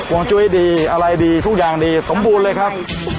วงจุ้ยดีอะไรดีทุกอย่างดีสมบูรณ์เลยครับ